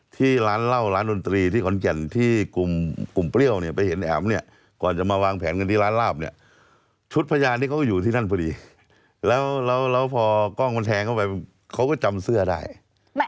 ที่ร้านเหล้าร้านดนตรีที่ขอนแก่นที่กลุ่มเปรี้ยวเนี่ยไปเห็นแอ๋มเนี่ยก่อนจะมาวางแผนกันที่ร้านลาบเนี่ยชุดพยานที่เขาก็อยู่ที่นั่นพอดีแล้วพอกล้องมันแทงเข้าไปเขาก็จำเสื้อได้